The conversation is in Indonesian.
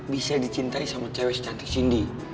bisa dicintai sama cewek cantik cindy